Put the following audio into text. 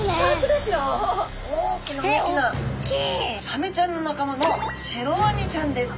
サメちゃんの仲間のシロワニちゃんです。